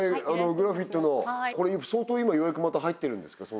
グラフィットのこれ相当今予約また入ってるんですか？